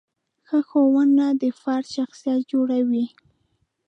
ښه ښوونه د فرد شخصیت جوړوي.